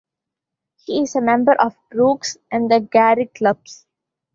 He is a member of Brooks's and the Garrick Clubs.